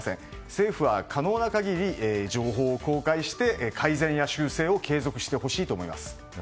政府は可能な限り情報を公開して改善や修正を継続してほしいと思います。